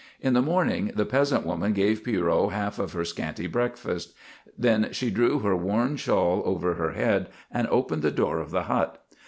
In the morning the peasant woman gave Pierrot half of her scanty breakfast. Then she drew her worn shawl over her head and opened the door of the hut.